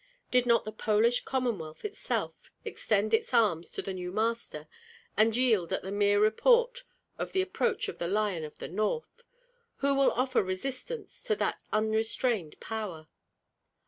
Did not the Polish Commonwealth itself extend its arms to the new master, and yield at the mere report of the approach of the lion of the North? Who will offer resistance to that unrestrained power?